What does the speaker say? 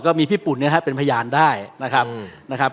พี่ปุ่นเนี่ยนะครับเป็นพยานได้นะครับ